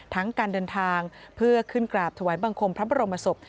การเดินทางเพื่อขึ้นกราบถวายบังคมพระบรมศพ